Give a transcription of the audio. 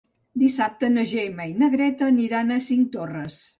Dissabte na Gemma i na Greta aniran a Cinctorres.